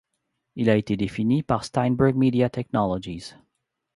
Il a été défini par Steinberg Media Technologies.